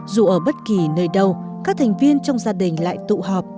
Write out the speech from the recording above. dù ở bất kỳ nơi đâu các thành viên trong gia đình lại tụ họp